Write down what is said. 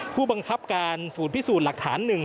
ผู้บังคับการสูตรพิสูจน์หลักฐานหนึ่ง